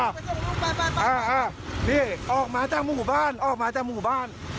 ไปอ้างนี่ออกมาจากหมู่บ้าน